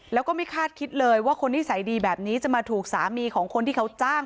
แล้วก็ไม่คาดคิดเลยว่าคนนิสัยดีแบบนี้จะมาถูกสามีของคนที่เขาจ้าง